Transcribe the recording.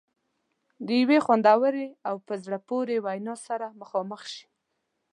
د یوې خوندورې او په زړه پورې وینا سره مخامخ شي.